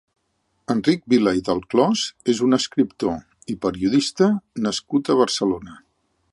Enric Vila i Delclòs és un escriptor i periodista nascut a Barcelona.